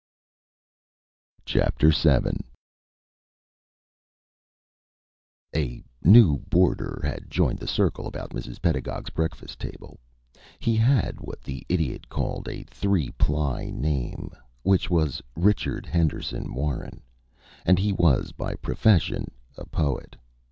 VII A new boarder had joined the circle about Mrs. Pedagog's breakfast table. He had what the Idiot called a three ply name which was Richard Henderson Warren and he was by profession a poet.